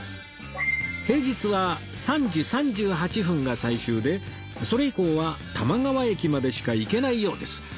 平日は３時３８分が最終でそれ以降は多摩川駅までしか行けないようです